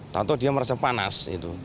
tonton dia merasa panas